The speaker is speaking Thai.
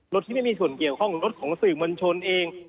ที่ไม่มีส่วนเกี่ยวข้องรถของสื่อมวลชนเอง